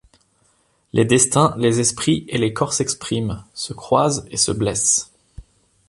Les destins, les esprits et les corps s'expriment, se croisent et se blessent.